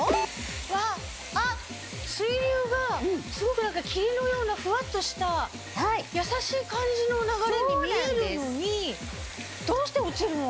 わっあっ水流がすごく霧のようなふわっとした優しい感じの流れに見えるのにどうして落ちるの？